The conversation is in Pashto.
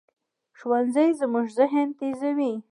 ښوونځی زموږ ذهن تیزوي